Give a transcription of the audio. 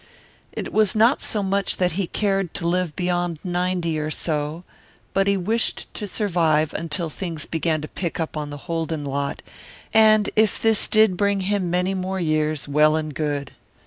It was not so much that he cared to live beyond ninety or so, but he wished to survive until things began to pick up on the Holden lot, and if this did bring him many more years, well and good.